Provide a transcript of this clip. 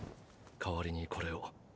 代わりにこれを。